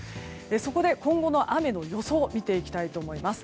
そこで今後の雨の予想見ていきたいと思います。